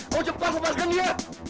kau cepat lepaskan dia